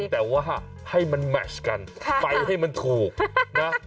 แต่ว่าให้มันแมชกันไปให้มันถูกนะ